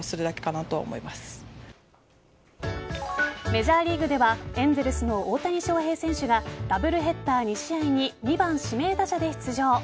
メジャーリーグではエンゼルスの大谷翔平選手がダブルヘッダー２試合に２番・指名打者で出場。